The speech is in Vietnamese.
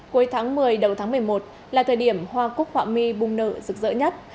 cuối tháng một mươi đầu tháng một mươi một là thời điểm hoa cúc họa mi bùng nở rực rỡ nhất